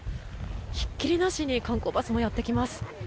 ひっきりなしに観光バスもやってきます。